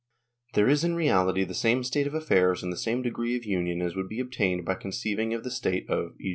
There is in reality the same state of affairs and the same degree of union as would be obtained by con ceiving of the state of, e.